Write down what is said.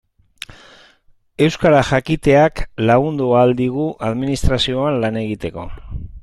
Euskara jakiteak lagundu ahal digu administrazioan lan egiten.